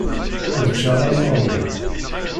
Ad ččeɣ alamma ṛwiɣ.